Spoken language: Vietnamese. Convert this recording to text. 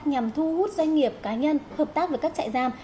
nhằm thu hút doanh nghiệp cá nhân hợp tác với các trại giam